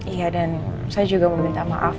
iya dan saya juga meminta maaf